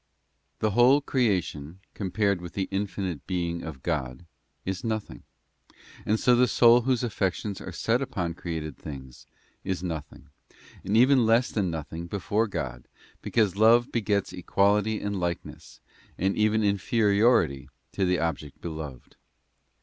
| The whole creation, compared with the infinite Being of God aloneis; God, is nothing; and so the soul whose affections are set on 1 Bene created things is nothing, and even less than nothing before God, because love begets equality and likeness, and even in feriority to the object beloved.